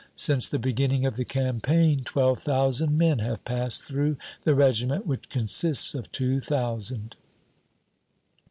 Since the beginning of the campaign, twelve thousand men have passed through the regiment, which consists of two thousand."